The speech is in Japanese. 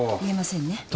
言えませんね。